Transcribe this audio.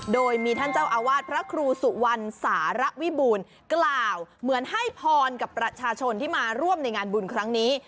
โดยมีท่านเจ้าอาวาสพระครูสุวรรณสารวิบูรณ์กล่าวเหมือนให้พรกับประชาชนที่มาร่วมในงานบุญครั้งนี้